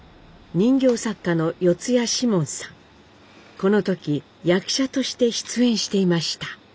この時役者として出演していました。